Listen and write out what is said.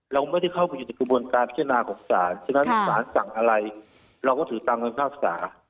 เราไม่ได้เข้าผู้จัดกระบวนการพิจารณาของสารฉะนั้นสารสั่งอะไรเราก็ถือตามความทราบสาร